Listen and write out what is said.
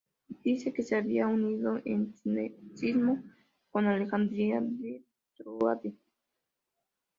Dice que se había unido en sinecismo con Alejandría de Tróade.